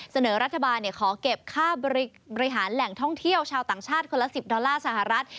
เสนอรัฐบาลขอเก็บค่าบริหารแหล่งท่องเที่ยวชาวต่างชาติคนละ๑๐ดอลลาร์สหรัฐ